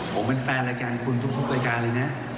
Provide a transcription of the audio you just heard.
ผมเป็นแฟนรายการคุณทุกรายการเลยนะ